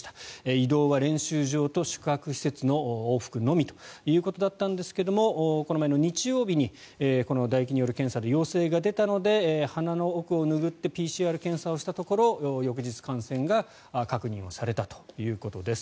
移動は練習場と宿泊施設の往復のみということだったんですがこの前の日曜日にこのだ液による検査で陽性が出たので鼻の奥を拭ってＰＣＲ検査をしたところ翌日、感染が確認されたということです。